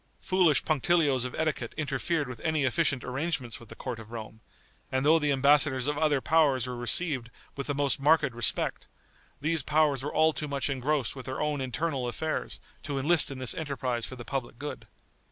Foolish punctilios of etiquette interfered with any efficient arrangements with the court of Rome, and though the embassadors of other powers were received with the most marked respect, these powers were all too much engrossed with their own internal affairs to enlist in this enterprise for the public good.